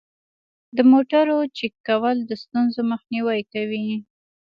د موټرو چک کول د ستونزو مخنیوی کوي.